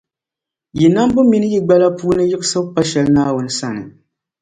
Yi nambu mini yi gbala puuni yiɣisibu pa shɛli Naawuni sani.